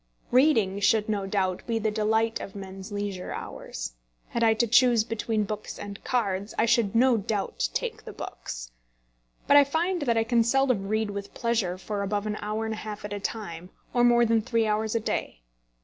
Reading should, no doubt, be the delight of men's leisure hours. Had I to choose between books and cards, I should no doubt take the books. But I find that I can seldom read with pleasure for above an hour and a half at a time, or more than three hours a day.